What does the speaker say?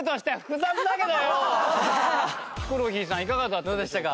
ヒコロヒーさんいかがだったでしょうか？